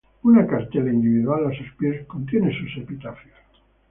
Una cartela individual a sus pies, contiene sus epitafios.